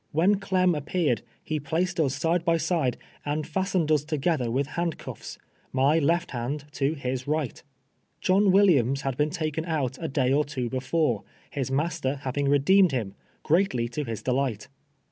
"When Clem appeared, he placed us side by side, and fastened us together with hand cuffs — my left hand to his right. Jolin AVilliams had been ta ken out a day or two before, his master having redeemed him, greatly to his delight.